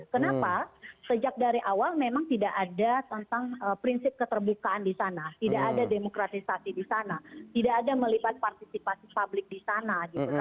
kenapa sejak dari awal memang tidak ada tentang prinsip keterbukaan disana tidak ada demokratisasi disana tidak ada melipat partisipasi publik disana